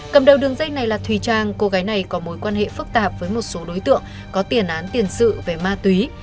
cầm đầu đường dây này là thùy trang cô gái này có mối quan hệ phức tạp với một số đối tượng có tiền án tiền sự về ma túy